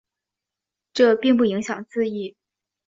这并不影响字义。